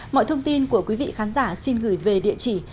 mọi thông tin của quý vị khán giả xin gửi về địa chỉ